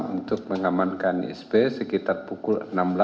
untuk mengamankan sp sekitar pukul enam belas